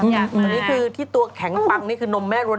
อันนี้คือที่ตัวแข็งปังนี่คือนมแม่ร้วน